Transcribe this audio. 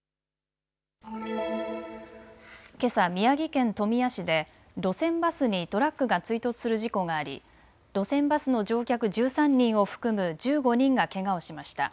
けさ宮城県富谷市で路線バスにトラックが追突する事故があり路線バスの乗客１３人を含む１５人がけがをしました。